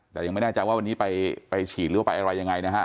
แต่ยังไม่แน่ใจว่าวันนี้ไปฉีดหรือว่าไปอะไรยังไงนะฮะ